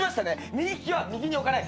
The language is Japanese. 右利きは右に置かない。